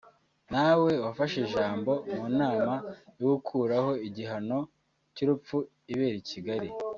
na we wafashe ijambo mu nama yo gukuraho igihano cy'urupfu ibera i Kigali